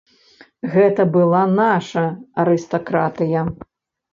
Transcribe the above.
Гэта была наша арыстакратыя.